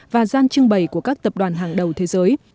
và gian trưng bày của các tập đoàn hàng đầu thế giới